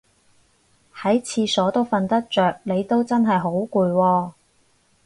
喺廁所都瞓得着你都真係好攰喎